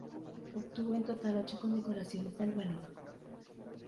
Obtuvo en total ocho condecoraciones al valor.